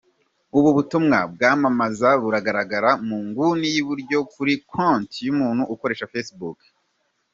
Ubu butumwa bwamamaza bugaragara mu nguni y’iburyo kuri konti y’umuntu ukoresha Facebook.